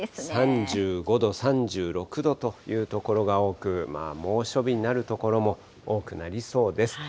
３５度、３６度という所が多く、猛暑日になる所も多くなりそうです。